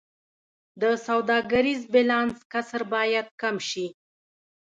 د سوداګریز بیلانس کسر باید کم شي